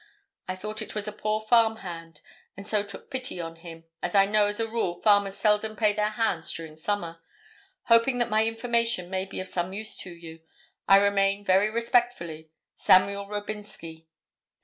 I thought it was a poor farm hand and so took pity on him, as I know as a rule, farmers seldom pay their hands during summer. Hoping that my information may be of some use to you, I remain very respectfully, SAMUEL ROBINSKY.